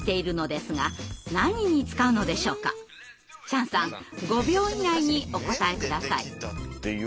チャンさん５秒以内にお答え下さい。